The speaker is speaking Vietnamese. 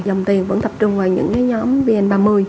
dòng tiền vẫn tập trung vào những nhóm vn ba mươi